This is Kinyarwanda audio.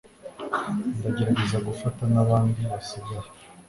ndagerageza gufata nabandi basigaye